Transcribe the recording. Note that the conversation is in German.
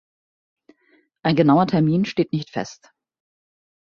Ein genauer Termin steht nicht fest.